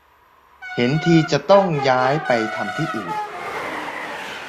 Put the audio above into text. เห็นทีจะต้องย้ายไปทำที่อื่น